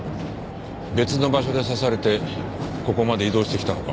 別の場所で刺されてここまで移動してきたのか。